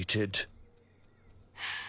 はあ。